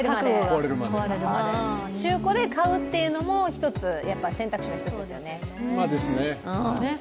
中古で買うというのも選択肢の１つですよね。